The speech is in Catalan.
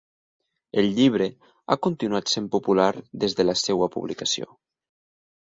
El llibre ha continuat sent popular des de la seva publicació.